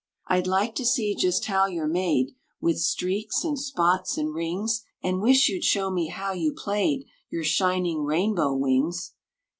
I'd like to see just how you're made, With streaks and spots and rings; And wish you'd show me how you played Your shining, rainbow wings.